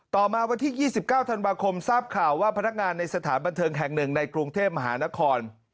ต่อมาวันที่๒๙ธันวาคมทราบข่าวว่าพนักงานในสถานบันเทิงแห่งหนึ่งในกรุงเทพมหานคร